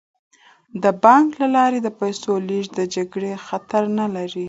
د بانک له لارې د پیسو لیږد د جګړې خطر نه لري.